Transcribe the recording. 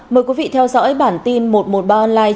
mời quý vị theo dõi bản tin một trăm một mươi ba online